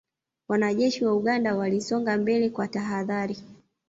Wanajeshi wa Uganda walisonga mbele kwa tahadhari